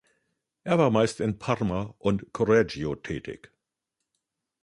Er war meist in Parma und Correggio tätig.